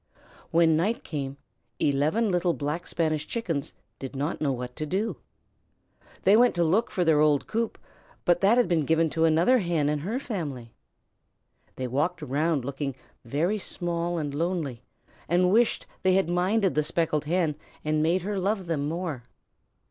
When night came, eleven little Black Spanish Chickens did not know what to do. They went to look for their old coop, but that had been given to another Hen and her family. They walked around looking very small and lonely, and wished they had minded the Speckled Hen and made her love them more.